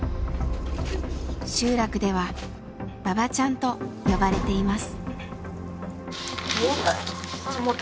集落では「ばばちゃん」と呼ばれています。